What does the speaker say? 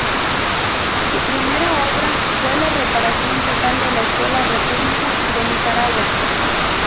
Su primera obra fue la reparación total de la escuela República de Nicaragua.